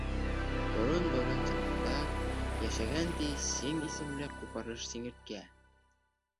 Борон-борон заманда йәшәгән, ти, Сиң исемле ҡупырыш сиңерткә.